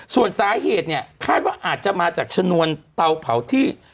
ส่วนสาเหตุเนี่ยคาดว่าอาจจะมาจากชนวนเตาเผาที่